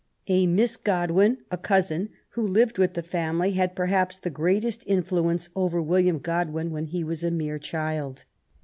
A Miss Godwin, a cousin, who lived with the family, had perhaps the greatest influence over William Godwin when he was a mere child.